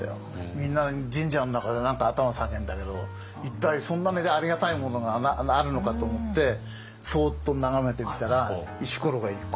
みんな神社の中で何か頭下げんだけど一体そんなありがたいものがあるのかと思ってそうっと眺めてみたら石ころが１個あった。